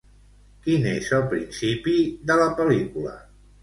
Quin és el principi de la pel·lícula?